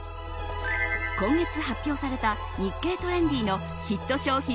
今月発表された「日経トレンディ」のヒット商品